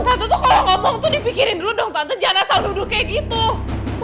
tante tuh kalau ngomong tuh dipikirin dulu dong tante jangan rasa nuduh kayak gitu